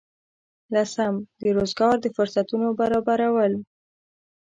لسم: د روزګار د فرصتونو برابرول.